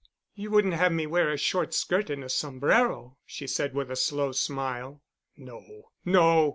"You wouldn't have me wear a short skirt and a sombrero?" she said with a slow smile. "No, no.